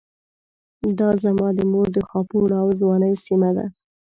دا زما د مور د خاپوړو او ځوانۍ سيمه ده.